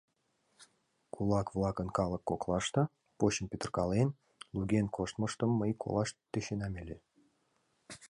...Кулак-влакын калык коклаште, почым пӱтыркален, луген коштмыштым мый колаш тӧченам ыле.